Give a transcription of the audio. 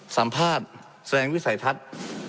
สัมภาษณ์แสดงวิสัยทัศน์